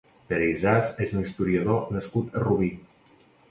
Pere Ysàs és un historiador nascut a Rubí.